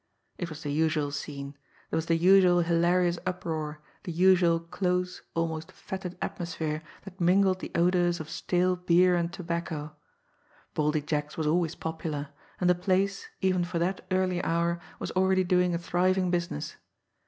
It was the usual scene, there was the usual hilarious uproar, the usual close, almost fetid atmosphere that mingled the odours of stale beer and tobacco. Baldy Jack's was always popular, and the place, even for that early hour, was already doing a thriving business.